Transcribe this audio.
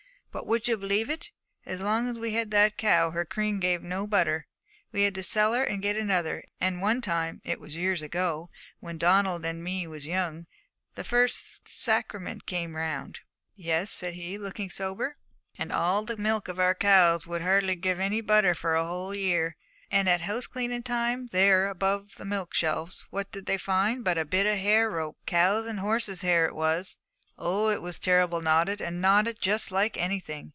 But would you believe it? as long as we had that cow her cream gave no butter. We had to sell her and get another. And one time it was years ago, when Donald and me was young the first sacrament came round ' 'Yes,' said he, looking sober. 'And all the milk of our cows would give hardly any butter for a whole year! And at house cleaning time, there, above the milk shelves, what did they find but a bit of hair rope! Cows' and horses' hair it was. Oh, it was terrible knotted, and knotted just like anything!